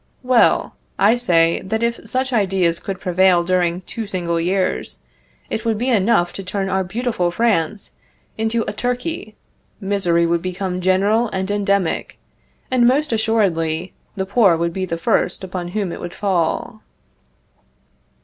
Well! I say, that if such ideas could prevail during two single years, it would be enough to turn our beautiful France into a Turkey misery would become general and endemic, and, most assuredly, the poor would be the first upon whom it would fall.